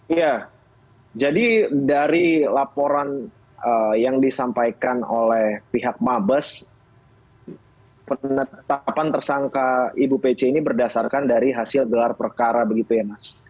iya jadi dari laporan yang disampaikan oleh pihak mabes penetapan tersangka ibu pc ini berdasarkan dari hasil gelar perkara begitu ya mas